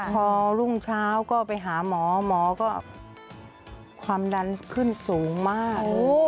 พอรุ่งเช้าก็ไปหาหมอหมอก็ความดันขึ้นสูงมาก